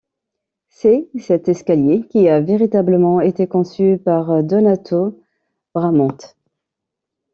C'est cet escalier qui a véritablement été conçu par Donato Bramante.